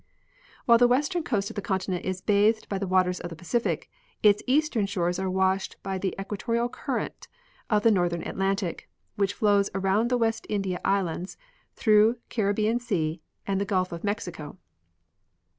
While the western coast of the continent is bathed by the waters of the Pacific, its eastern shores are washed by the equa torial current of the northern Atlantic, which flows around the West India islands, through Caribbean sea and the Gulf of Mexico.